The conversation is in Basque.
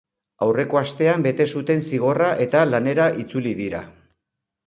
Aurreko astean bete zuten zigorra eta lanera itzuli dira.